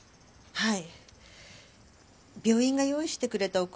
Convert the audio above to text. はい。